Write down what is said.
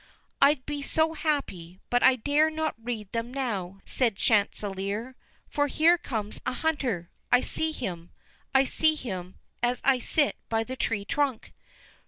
"I'd be so happy, but I dare not read them now," said Chanticleer, "for here comes a hunter. I see him, I see him, as I sit by the tree trunk."